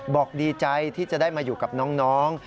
บอกดีใจที่จะได้มาอยู่กับน้อง